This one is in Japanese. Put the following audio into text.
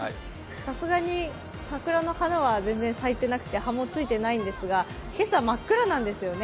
さすがに桜の花は全然咲いてなくて、葉もついていないんですが、今朝、真っ暗なんですよね。